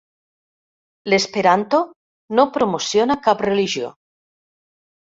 L'esperanto no promociona cap religió.